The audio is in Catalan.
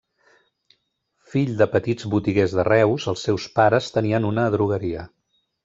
Fill de petits botiguers de Reus, els seus pares tenien una adrogueria.